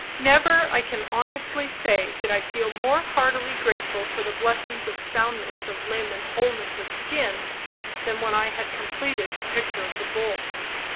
Never, I can honestly say, did I feel more heartily grateful for the blessings of soundness of limb and wholeness of skin, than when I had completed the picture of the bull!